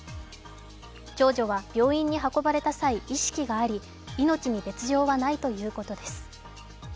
長女は病院に運ばれた際、意識があり命に別状はないということです。